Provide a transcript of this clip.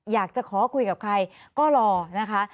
อยากจะขอคุยกับใครก็รอนะคะ